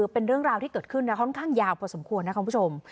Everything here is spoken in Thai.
เป็นเรื่องราวที่เกิดขึ้นค่อนข้างยาวพอสมควรนะคุณผู้ชม